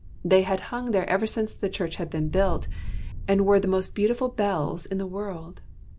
They had hung there ever since the church had been built, and were the most beautiful bells in the world.